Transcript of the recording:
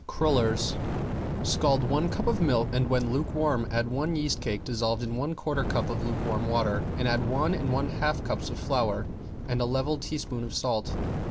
~CRULLERS~ Scald one cup of milk, and when lukewarm add one yeast cake dissolved in one quarter cup of lukewarm water, and add one and one half cups of flour and a level teaspoon of salt.